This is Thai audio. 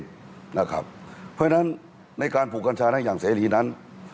เพราะฉะนั้นในการปลูกกัญชาได้อย่างเสรีนั้น